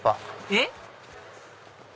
えっ？